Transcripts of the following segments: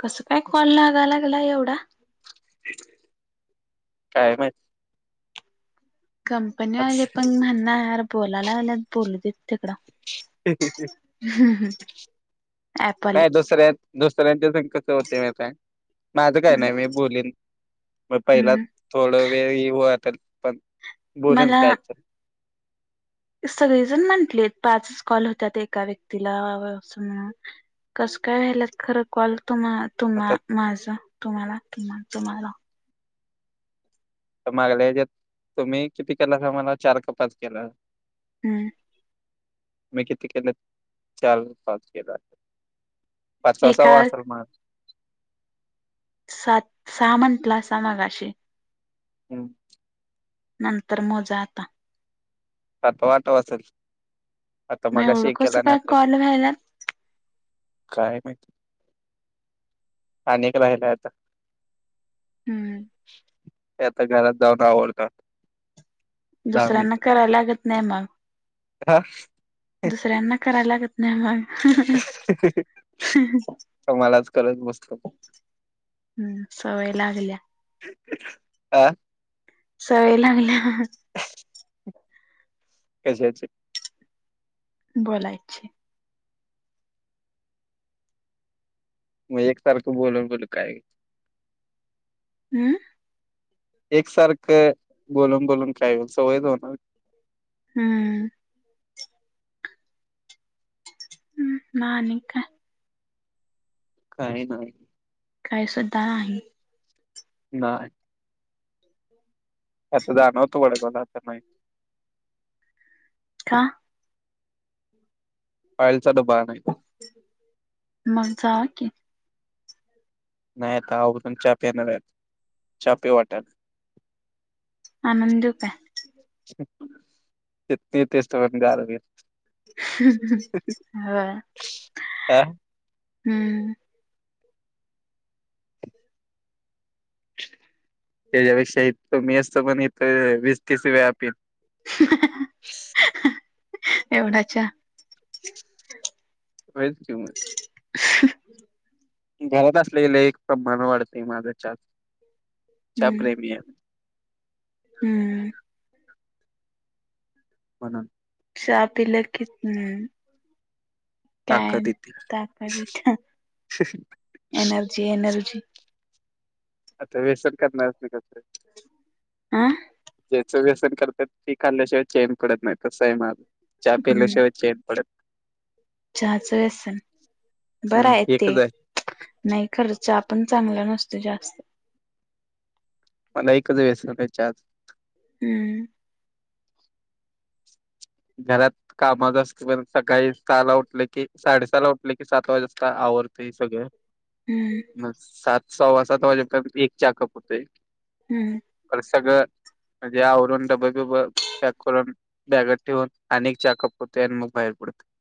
कसं काय कॉल लागायला लागला ऐवढा? काय माहित? कंपनी आले पण म्हणणार बोलायला आल्यात बोलू दे तिकडं. ऍपवाले काय दुसर्या आहेत दुसऱ्यांच्या [unintelligible] कसं होते म काय माझं काय नाही मी बोलीन म पहिला हम्म थोडा वेळ येऊ तर पण बोलेल काय तर. सगळी जण म्हटली पाचच कॉल होत्यात एका व्यक्तीला असं म्हणून. कसं काय व्हायलात खरं कॉल तुम्हा तुम्हा आता माझा तुम्हा तुम्हाला. तर मागले हेज्यात तुम्ही किती केला तर आम्हाला चार का पाच केला. हम्म. मी किती केलेत चार पाच केला पाचवा एका सहावा असाल माझं. सात सहा म्हणटला असा मगाशी. हम्म. नंतर मोजा आता. सातवा आठवाच असेल आता मग मगाशी एवढं एक कसं केला नी काय आता एक. कॉल व्हायल्यात काय माहिती आणि एक राहिला आता. हम्म ते आता घरात जाऊन आवडतात. दुसऱ्यांना कराय लागत नाही म. तथा दुसऱ्यांना कराय लागत नाही मग. तुम्हालाच करत बसतो हम्म सवय लागल्या. का सवय लागल्या. कशाचे बोलायची म्हणजे एकसारखं बोलून बोलू काय. हम्म. एकसारखं बोलून बोलून काय सवयच होणार. हम्म. हम्म मग आणि काय. काय नाय. काय सुद्धा नाही. नाय. आता जाणार होतो. वडगावला आता नाही. का. कालचा डबा आणायचाय. मग जावा की. नाही आता आवरून चहा पिणार आहे. चहा पिऊ वाटालय. आणून देऊ काय. तितन इथं येवूस तोवर गार होईल. होय हा हम्म. त्याच्यापेक्षा इथं मी असतो म्हणे इथं वीस तीस वेळा पियेन. एवढा चहा. होईच की मग. घरात असले की लय एक प्रमाण वाढतंय माझं चहा चहा हम्म प्रेमी आहे मी. हम्म. म्हणून. चहा पिलं की हम. काय ताकद येते ताकत येत्या एनर्जी एनर्जी. आता व्यसन करणाऱ्यासनी कसलं. आ. ज्याचं व्यसन करतात. ती खाल्ल्याशिवाय चेन पडत नाही. तसं आहे माझं चहा हम्म पिल्याशिवाय चेन पडत नाही. चहाचं व्यसन हम् बराय ते. एकच आहे नाही खरंच चहा पण चांगला नसतोय जास्तं. मला एकच व्येसन आहे चहाचं. हम्म. घरात. कामात असतोय. पण सकाळी सहाला उठल की, साडेसहाला उठलं की सात वाजता आवरतो. ते सगळं हम्म मग सात सव्वा सात वाजे पर्यंत एक चहा कप होतंय. हम्म. सगळं म्हणजे, आवरून डब बीब पॅक करून बॅगेत. ठेवून आणि एक चहा कप होतंय. आणि मग बाहेर पडतोय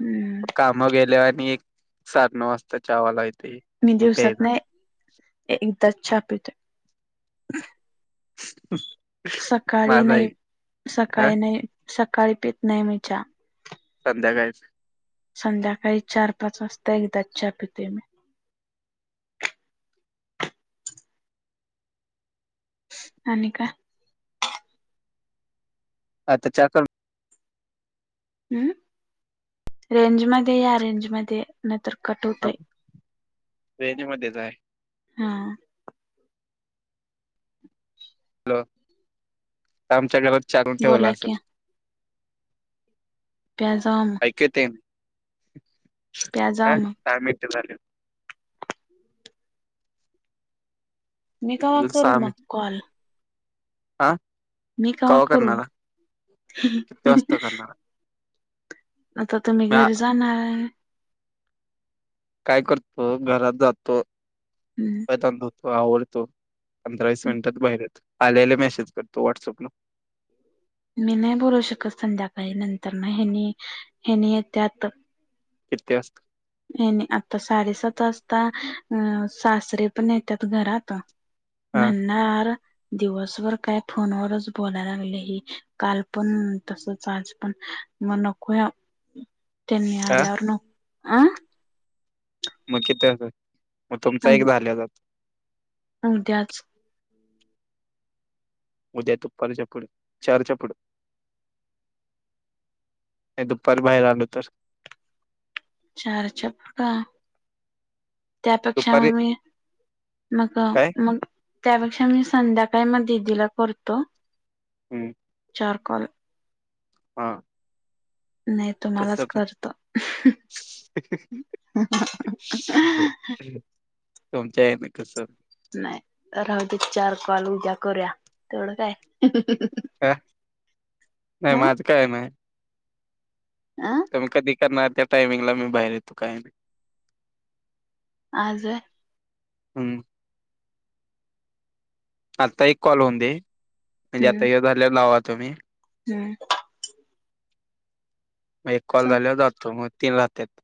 हम्म कामावर गेलेवर आणि एक. साडे नऊ वाजता चहा वाला येतो. मी दिवसातन एकदाच चहा पितोय. [inaudible] सकाळी माझा नाही. एक हा सकाळी नाही सकाळी पित नाही मी चा. संध्याकाळीच. संध्याकाळी चार पाच वाजता एकदाच च्या पितोय मी. आणि काय. आता चहा करून. हम् रेंज मध्ये या रेंज मध्ये नाहितर कट होतंय. रेंज मध्ये जाय. हा. हॅलो आमच्या घरात चा आणून ठेवला बोला असेल. की प्या जावा मग. ऐकच टाइम प्या जावा मग. काय माहित काय झालं. मी कवा अजून करू सहा मग मिनिट कॉल. हा मी कवा करू करणार किती वाजता करणार? आता तुम्ही घरी जाणार काय करतो घरात जातो हम्म हातपाय धुतो आवरतो. पंधरा वीस मिनटात बाहेर येतो आल्या आल्या मेसेज करतो व्हॉट्सअपला. मी नाही बोलू शकत संध्याकाळी नंतर ना ह्यानी हेनी येत्यात तर. किती वाजता. हे नी आता साडेसात वाजता अ सासरे पण येतात घरात. हा म्हणणार. दिवसभर काय फोनवरच बोलायला लागली ही, काल पण तसच आज पण म नकोया. [inaudible] त्यांनी हा आल्यावरण आ मग किथ असं मग तुमचा एक झाल्या जातो. आण त्याच. उद्या दुपारच्या पुढे चार च्या पुढं. नाही दुपारी बाहेर आलो तर. चारच्या पुढं का त्यापेक्षा दुपारी आमी. मग काय मग त्यापेक्षा मी संध्याकाळी मग दिदीला करतो. हम्म चार कॉल. हा नाही कसं तुम्हालाच पण करतो शी तुमच्या ह्यांनी कसं. नाही राहूदेत चार कॉल उद्या करूया तेवढं काय. काय नाही ह माझं कायम आहे. आह तुम्ही कधी करणार त्या टायमिंगला मी बाहेर येतो काय नाही. आज हम्म आता एक कॉल होऊन दे म्हणजे हम्म आता य झाल्यावर लावा तुम्ही. हम्म मग एक कॉल झाल्यावर जातो तीन राहत्यात.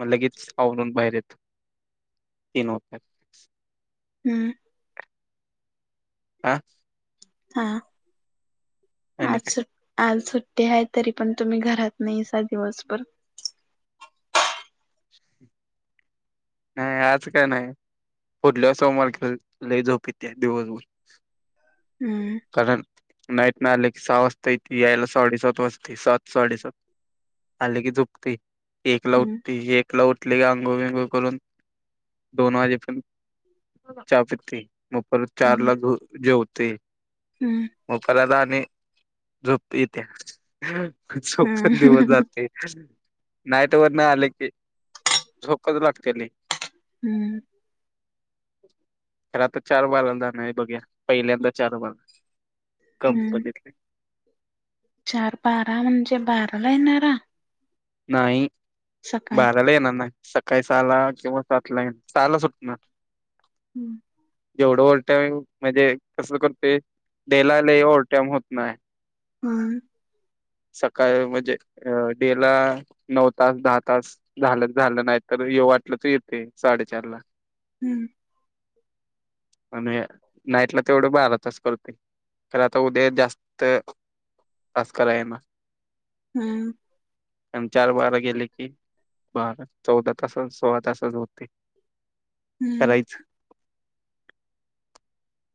मग लगेच आवरून बाहेर येतो तीन होत्यात. हम आह हा आणि आज काय सुट्ट आज सुट्टी आहे तरी पण तुम्ही घरात नाहीसा दिवसभर. [inaudible] नाही आज काय नाही पुढल्या सोमवारी खर लय झोप येतीया दिवसभर. हम्म कारण नाईट ना आलं की सहा वाजता येते यायला साडेसात वाजते सात साडेसात आले की झोपते एकला हम्म उठते एकला उठली की आंघोळ भिंगुळ करून दोन वाजे पर्यंत चहा पिते म परत हम्म चारला झोप जेवतय. हम्म. म परत आणि झोपते येत्या हम्म झोपत दिवस जाते. नाईट वरनं आले की झोपच लागत्या लय. हम्म. रात चार बारांदा नाय बघूया पहिल्यांदा चार बार. हम्म कंपनीतले चार बारा म्हणजे बाराला येणारा. नाही सकाळी बाराला येणार नाही सकाळी सहाला किंवा सातला येणार सहाला सुटणार. हम्म जेवढं ओवर टाईम मध्ये कसं करतोय? डेला लय ओव्हर टाईम होत नाय. मंग सकाळ म्हणजे अ डेला नऊ तास दहा तास झालंच झालं नाही तर ये वाटलंच येते साडेचार ला. हम्म. आणि नाईटला तेवढं बारा तास करतोय. तर आता उद्या जास्त तास कराय म. हम्म. आन चार बारा गेले की बारा चौदा तासात सोळा तासच होते. करायचं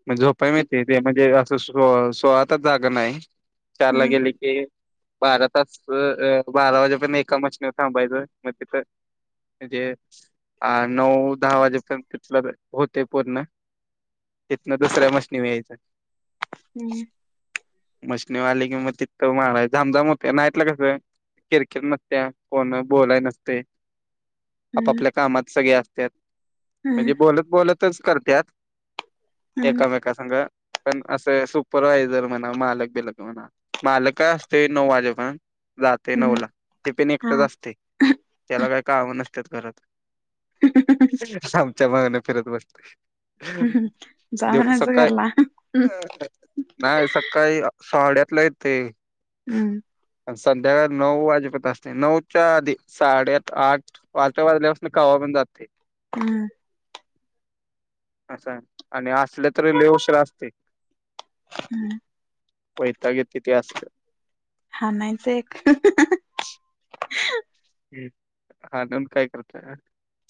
म झोपाय मिळतय त्यामध्ये असं स्लोव सोळा तास जागं नाही. चार हम्म लागेले कि बारा तास स अ बारा वाजेपर्यंत एका मशनीवर थांबायचं म तिथं म्हणजे आ नऊ दहा वाजेपर्यंत तिथलं होते पूर्ण. तिथनं दुसऱ्या मसीनीव यायचं. हम्म मशीनीव आलं की मग तितकं माराय जाम जाम होतोय नाईटला कसं आहे नाईटला किरकिर नसत्या कोण बोलाय नसते. हम्म आप-आपल्या कामात सगळे असत्यात हम्म म्हणजे हम्म बोलत बोलतच करत्यात. हम्म एकामेका संघ पण अस तं सुपरवायजर म्हणा मालक बिलक म्हणा मालक असते नऊ वाजे पर्यंन जाते हम्म नऊला टे पण एकटच हा असते त्याला काही कामं नसत्यात घरात. आमच्या मागनं फिरत बसते. जा देव म्हणायचं सकाळी घरला हम्म नाही सकाळी साडेआठला येते. हम्म. संध्याकाळ नऊ वाजेपर्यंत असते नऊच्या आधी साडेआठ आठ आठ वाजल्यापासून कव्हा पण जाते. हम्म. असा आणि असलं तरी लई उशिरा असते. हम्म. वैताग येते ते असलं. हा नायच एक. आनंद काय करतोय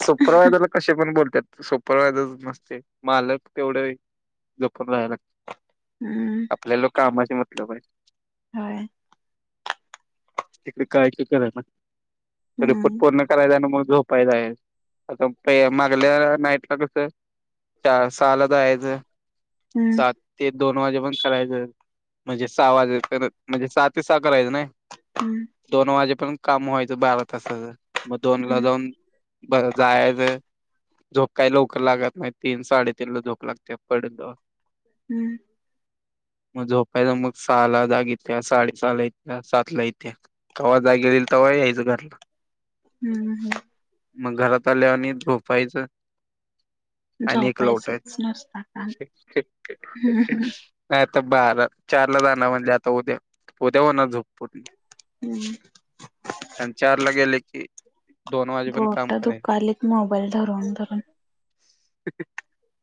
सुपरव्हायजरला कशे पण बोलत्यात सुप परव्हायजरच मस्त आहे मालक तेवढ जपून राहाय लाग हम्म आपल्यालो कामाशी मतलब आहे. होय. तिकडे काय की करांना रिपोर्ट हम्म पूर्ण करायचा आणि म झोपाय जायचं असं पेय मागल्या नाईटला कसं आहे चार सहाला जायचं हम्म सात ते दोन वाजे पर्यंत करायचं म्हणजे सहा वाजे पर्यंत म्हणजे सहा ते सहा करायचं नाही. हम्म. दोन वाजे पर्यंत काम व्हायचं बारा तासाचं मग दोनला हम्म जाऊन बरं जायचं आहे. झोप काही लवकर लागत नाही तीन साडेतीनला झोप लागते पडतो. हम्म. मग झोपायचा मग सहाला जाग येत्या साडे सहाला येत्या सातला येत्या. कव्हा जाग येईल तव्हा यायचं घरला. [unintelligible] हाय. मग घरात आल्यावर नीट झोपायचं. आणि एक लॉट आहेत. झोपायचंच नुसता काम. नाही आता बारा चारला जाणा म्हणजे आता उद्या उद्या होणार झोप पुर्ण. हम्म. आण चारला गेले की दोन वाजे पण काम बोटं करायच. दुकायलेत मोबाईल धरुन-धरून. [unintelligible]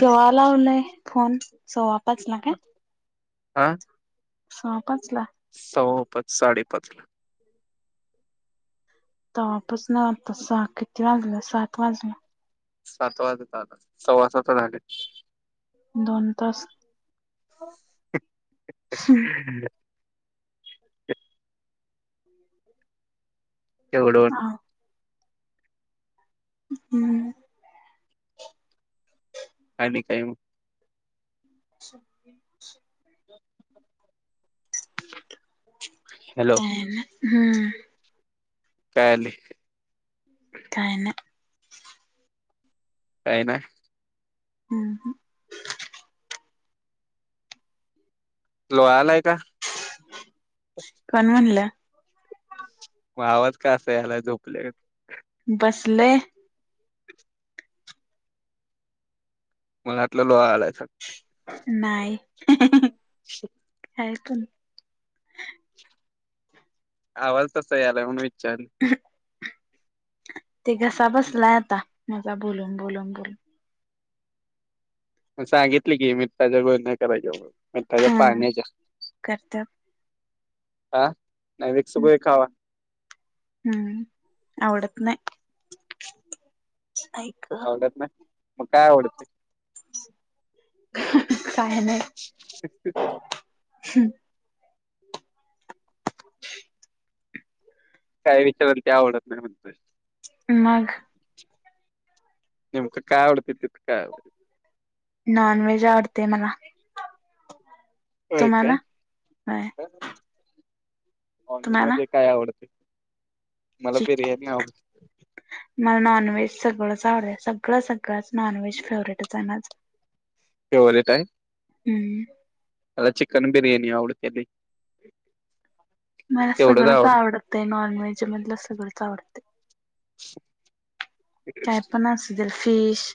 केव्हा लावलाय फोन सव्वा पाच ला काय? आं सव्वा पाचला सव्वा पाच साडे पाचला. तवा पासनं आता सहा किती वाजलं सात वाजले. सात वाजत आलं सव्वा सातं झाले. दोन तास हम्म [unintelligible] ह एवढंक हम्म. आणि काय मग? [inaudible] हॅलो काय ना हम्म. कायले काय नाय. काय नाय. हम्म हम्म. लोळायालय का? कोण म्हणल्या? म आवाज का असं याला झोपल्यागत? बसले. मला वाटलं लोळायलासा नाय [inaudible] आहे कमी. आवाज तसा यायलाय म्हणून विचारलं. ते घसा‌ बसलाय आता माझा बोलून बोलून. सांगितली की मीठाच्या गुळण्या करायच्या मीठाच्या हा पाण्याच्या. करत्यात हा, नाय विक्स गोळी खावा. हम्म आवडत नाही. ऐक. आवडत नाय, मग काय आवडतंय. काय नाय. [inaudible] हम्म काय विचाराल ते आवडत नाही म्हणतेय. मग निमक काय आवडतय, तिथ काय. नॉनव्हेज आवडतेय मला. होय तुम्हाला काय होय बर नॉनव्हेज तुम्हाला मध्ये काय आवडते? मला चिक बिर्याणी आवडते. मला नॉनव्हेज सगळंच आवडत सगळं सगळंच नॉनव्हेज फेवरेटच आहे माझं फेवरेट आहे? हम्म मला चिकन बिर्याणी आवडती लय. मला सगळंच आवडतय, नॉनव्हेज मधलं सगळंच आवडतं. काय पण असू दे फिश